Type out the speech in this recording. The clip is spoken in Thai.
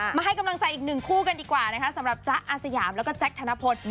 มาให้กำลังใจอีกหนึ่งคู่กันดีกว่านะคะสำหรับจ๊ะอาสยามแล้วก็แจ๊คธนพล